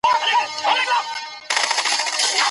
موږ به هغوی ته په دنيا کي طيب ژوند ورکړو.